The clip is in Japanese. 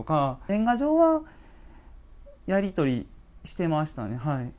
年賀状はやり取りしてましたね。